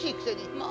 まあ。